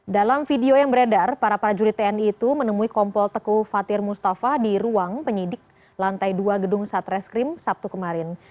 dalam video yang beredar para prajurit tni itu menemui kompol teku fatir mustafa di ruang penyidik lantai dua gedung satreskrim sabtu kemarin